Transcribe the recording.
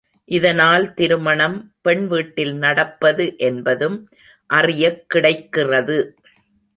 இதனால் திருமணம் பெண் வீட்டில் நடப்பது என்பதும் அறியக் கிடைக்கிறது.